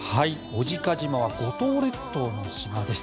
小値賀島は五島列島の島です。